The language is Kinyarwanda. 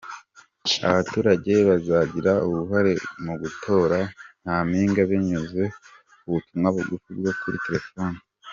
Abaturage bazagira uruhare mu gutora Nyampinga binyuze ku butumwa bugufi bwo kuri telefone.